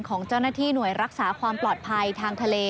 ของเจ้าหน้าที่หน่วยรักษาความปลอดภัยทางทะเล